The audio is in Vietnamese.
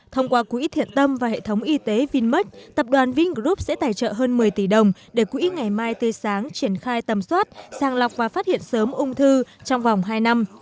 thông qua quỹ thiện tâm và hệ thống y tế vinmec tập đoàn vingroup sẽ tài trợ hơn một mươi tỷ đồng để quỹ ngày mai tươi sáng triển khai tầm soát sàng lọc và phát hiện sớm ung thư trong vòng hai năm